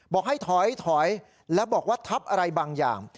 บอกให้ถอยถอยแล้วบอกว่าทับอะไรบางอย่าง